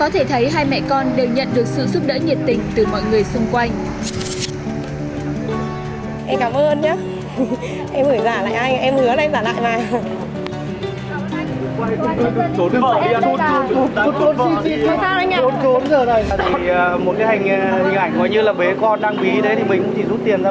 thì một cái hình ảnh giống như là bé con đang ví đấy thì mình cũng chỉ rút tiền ra